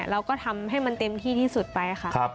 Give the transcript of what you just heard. เราก็ทำให้มันเต็มที่ที่สุดไปค่ะ